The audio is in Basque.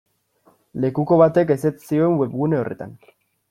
Lekuko batek ezetz zioen webgune horretan.